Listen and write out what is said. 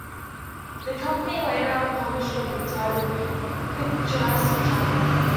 The company later published a book titled "Picturesque Travel".